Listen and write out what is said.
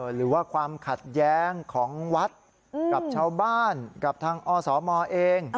หรือว่าความขัดแย้งของวัดกับชาวบ้านกับทางอสมเอง